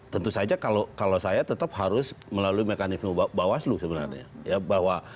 tentu saja kalau saya tetap harus melalui mekanisme bawaslu sebenarnya